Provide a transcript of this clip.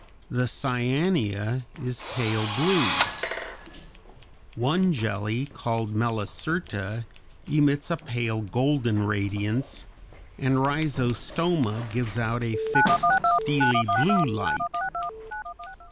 The Cyanea is pale blue. One jelly, called Melicerta, emits a pale golden radiance, and Rhizostoma (Fig. 25) gives out a fixed steely blue light.